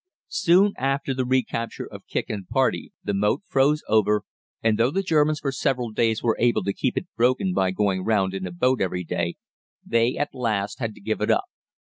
Soon after the recapture of Kicq and party, the moat froze over, and though the Germans for several days were able to keep it broken by going round in a boat every day, they at last had to give it up.